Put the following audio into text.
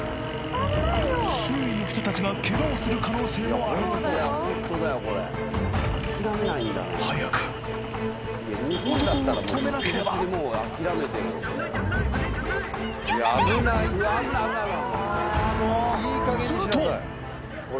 周囲の人達がケガをする可能性もある早く男を止めなければすると！